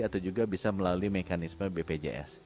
atau juga bisa melalui mekanisme bpjs